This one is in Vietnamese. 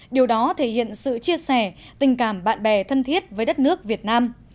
điều đó thể hiện sự chia sẻ tình cảm bạn bè thân thiết với đất nước việt nam